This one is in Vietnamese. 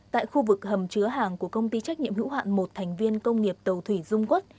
tại khu vực hầm chứa hàng của công ty trách nhiệm hữu hạn một thành viên công nghiệp tàu thủy dung quốc